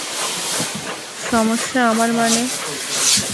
সমস্যা আমার মানে?